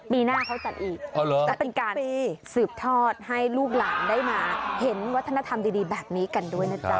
ปีหน้าเขาจัดอีกและเป็นการสืบทอดให้ลูกหลานได้มาเห็นวัฒนธรรมดีแบบนี้กันด้วยนะจ๊ะ